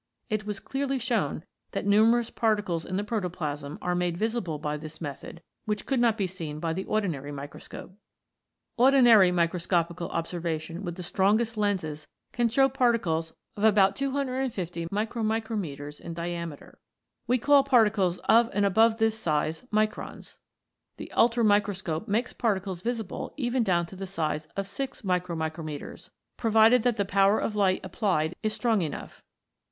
It was clearly shown that numerous particles in protoplasm are made visible by this method which could not be seen by the ordinary microscope. Ordinary microscopical observation with the strongest lenses can show particles of about 250 pp. 25 CHEMICAL PHENOMENA IN LIFE in diameter. We call particles of and above this size Microns. The ultramicroscope makes par ticles visible even down to the size of 6 /x/z, provided that the power of light applied is strong enough.